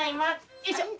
よいしょ！